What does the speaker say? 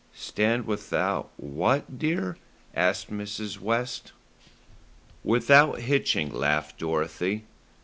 "Stand without what, dear," asked Mrs. West. "Without hitching," laughed Dorothy.